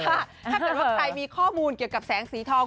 ถ้าเกิดว่าใครมีข้อมูลเกี่ยวกับแสงสีทอง